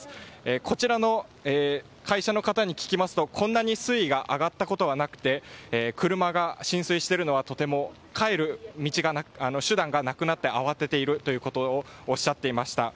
こちらの会社の方に聞きますとこんなに水位が上がったことはなくて車が浸水しているのは帰る手段がなくなって慌てているということをおっしゃっていました。